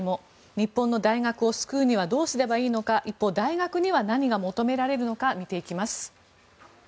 日本の大学を救うにはどうすればいいのか一方、大学には何が求められるのか見ていきます。